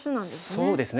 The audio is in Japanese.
そうですね。